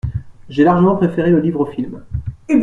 J’ai largement préféré le livre au film.